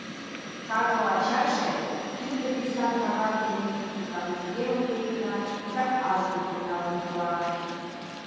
Карло ачаже тӱрлӧ тӱсан кагаз дене тудлан вургемым клеитла да азбукым налын пуа